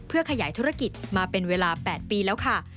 ขยายธุรกิจมาเป็นเวลา๘ปีแล้วค่ะ